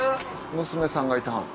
娘さんがいてはんの？